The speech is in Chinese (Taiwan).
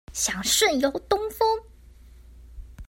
想順遊東峰